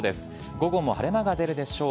午後も晴れ間が出るでしょう。